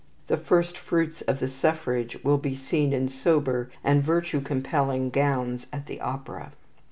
The first fruits of the suffrage will be seen in sober and virtue compelling gowns at the opera.